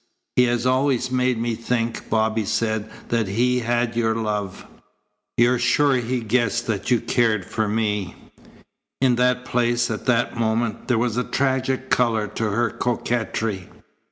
"He has always made me think," Bobby said, "that he had your love. You're sure he guessed that you cared for me?" In that place, at that moment, there was a tragic colour to her coquetry.